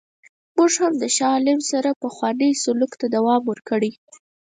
موږ هم له شاه عالم سره پخوانی سلوک ته دوام ورکړی.